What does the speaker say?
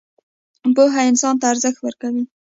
پوهه انسان ته ارزښت ورکوي